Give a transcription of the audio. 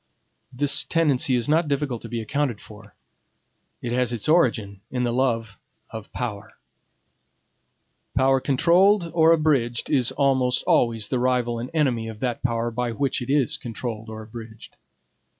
This tendency is not difficult to be accounted for. It has its origin in the love of power. Power controlled or abridged is almost always the rival and enemy of that power by which it is controlled or abridged.